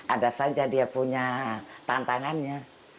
ada saja dia punya tantangannya